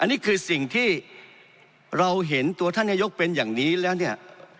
อันนี้คือสิ่งที่เราเห็นตัวท่านนายกเป็นอย่างนี้แล้วเนี่ย